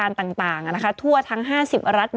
มีสารตั้งต้นเนี่ยคือยาเคเนี่ยใช่ไหมคะ